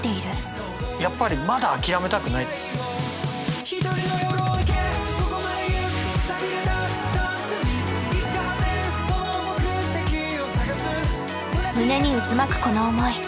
やっぱり胸に渦巻くこの思い。